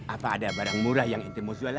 apa ada barang murah yang ente mau jual lagi